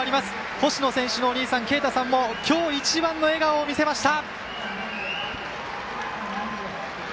星野選手のお兄さんの桂汰さんも今日一番の笑顔を見せました！